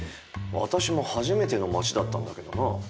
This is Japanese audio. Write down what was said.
私も初めての街だったんだけどな。